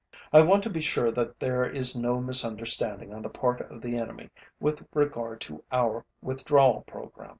I want to be sure that there is no misunderstanding on the part of the enemy with regard to our withdrawal program.